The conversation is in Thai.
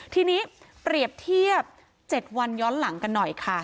ทีนี้เปรียบเทียบ๗วันย้อนหลังกันหน่อยค่ะ